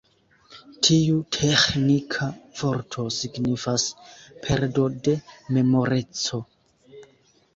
Tiu teĥnika vorto signifas: perdo de memoreco.